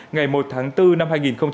ngày một tháng bốn năm hai nghìn hai mươi